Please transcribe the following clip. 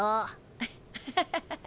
アッハハハ。